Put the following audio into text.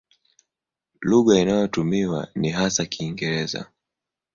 Lugha inayotumiwa ni hasa Kiingereza.